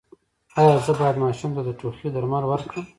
ایا زه باید ماشوم ته د ټوخي درمل ورکړم؟